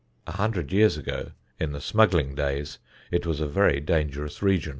A hundred years ago, in the smuggling days, it was a very dangerous region.